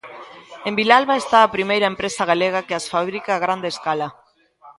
En Vilalba está a primeira empresa galega que as fabrica a grande escala.